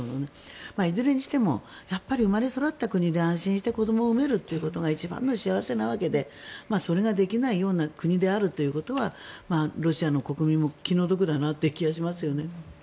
いずれにしても生まれ育った国で安心して子どもが産めるということが一番の幸せなわけでそれができないような国であるということはロシアの国民も気の毒だなという気はしますね。